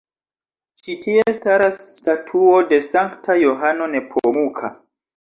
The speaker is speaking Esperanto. Ĉi tie staras statuo de Sankta Johano Nepomuka.